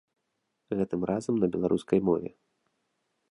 Гэтым разам на беларускай мове.